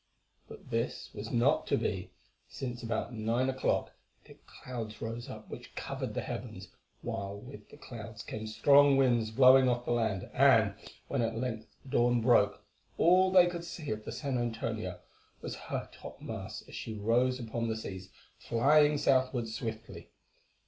But this was not to be, since about nine o'clock thick clouds rose up which covered the heavens, while with the clouds came strong winds blowing off the land, and, when at length the dawn broke, all they could see of the San Antonio was her topmasts as she rose upon the seas, flying southwards swiftly.